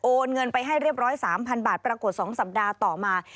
เงินไปให้เรียบร้อย๓๐๐บาทปรากฏ๒สัปดาห์ต่อมา